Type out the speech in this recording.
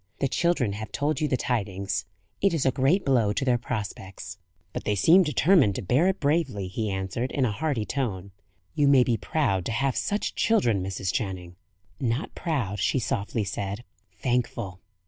The children have told you the tidings. It is a great blow to their prospects." "But they seem determined to bear it bravely," he answered, in a hearty tone. "You may be proud to have such children, Mrs. Channing." "Not proud," she softly said. "Thankful!"